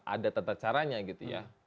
ada tata caranya gitu ya